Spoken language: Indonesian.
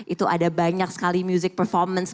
itu ada banyak sekali music performance